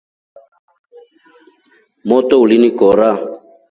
Moto uli in kora.